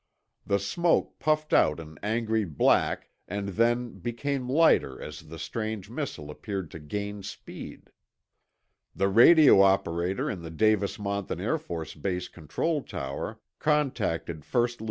The smoke puffed out an angry black and then be came lighter as the strange missile appeared to gain speed" The radio operator in the Davis Monthan air force base control tower contacted First Lt.